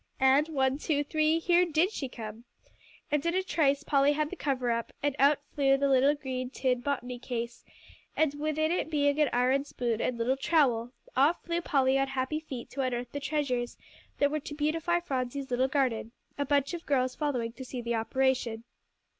And, one, two, three, and here she did come! And in a trice Polly had the cover up, and out flew the little green tin botany case; and within it being an iron spoon and little trowel, off flew Polly on happy feet to unearth the treasures that were to beautify Phronsie's little garden; a bunch of girls following to see the operation.